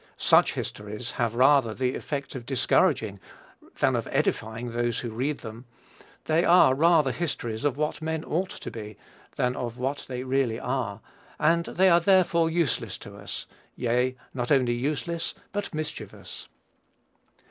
Such histories have rather the effect of discouraging than of edifying those who read them. They are rather histories of what men ought to be, than of what they really are, and they are therefore useless to us, yea, not only useless, but mischievous.